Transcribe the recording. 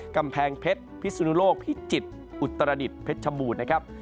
กำแพงเพชรพิสุนุโลกพิจิตรอุตรดิษฐ์เพชรชบูรณ์นะครับ